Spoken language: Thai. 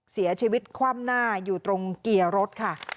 เสียชีวิตคว่ำหน้าอยู่ตรงเกียร์รถ